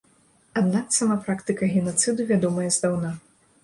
Аднак, сама практыка генацыду вядомая здаўна.